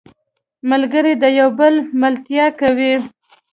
ملګری د یو بل ملتیا کوي